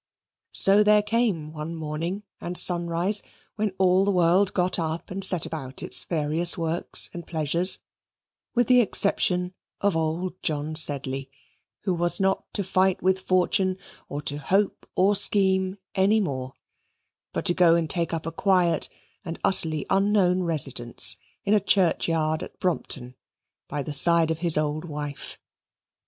So there came one morning and sunrise when all the world got up and set about its various works and pleasures, with the exception of old John Sedley, who was not to fight with fortune, or to hope or scheme any more, but to go and take up a quiet and utterly unknown residence in a churchyard at Brompton by the side of his old wife.